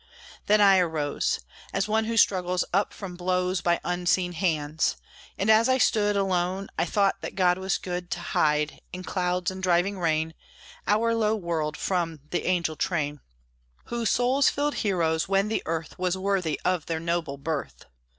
Then I arose, As one who struggles up from blows By unseen hands; and as I stood Alone, I thought that God was good, To hide, in clouds and driving rain, Our low world from the angel train, Whose souls filled heroes when the earth Was worthy of their noble birth.